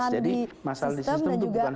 jadi masalah di sistem itu bukan